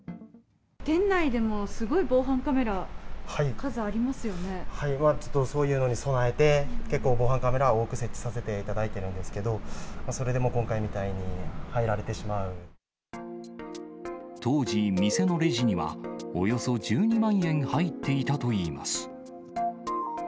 店内でもすごい防犯カメラ、ちょっとそういうのに備えて、結構、防犯カメラは多く設置させていただいてるんですけど、それでも今当時、店のレジにはおよそ１２万円入っていたといいます。